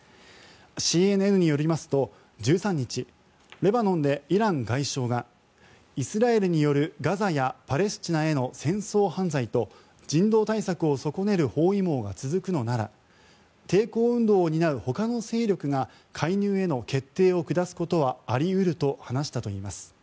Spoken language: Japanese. ＣＮＮによりますと１３日レバノンでイラン外相がイスラエルによるガザやパレスチナへの戦争犯罪と人道対策を損ねる包囲網が続くのなら抵抗運動を担う他の勢力が介入への決定を下すことは、あり得ると話したといいます。